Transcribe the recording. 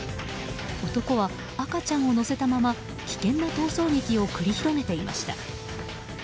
男は赤ちゃんを乗せたまま危険な逃走劇を繰り広げていました。